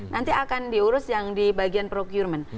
nanti akan diurus yang di bagian procurement